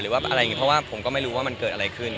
เพราะว่าผมก็ไม่รู้ว่ามันเกิดอะไรขึ้น